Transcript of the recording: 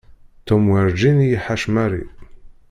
Tom werǧin i iḥac Mary.